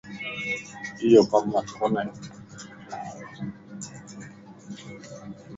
ايو ڪمت ڪوني